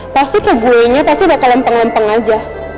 pasti keguenya pasti bakal lempeng lempeng aja